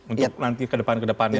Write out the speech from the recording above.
untuk nanti kedepan kedepannya